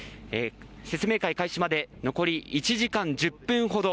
説明会開始まで残り１時間１０分ほど。